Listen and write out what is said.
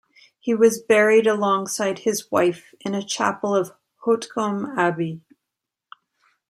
He was buried alongside his wife in a chapel of Hautecombe Abbey.